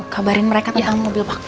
kabarin mereka tentang mobil bak